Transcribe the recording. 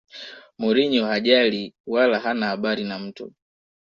mourinho hajali wala hana habari na mtu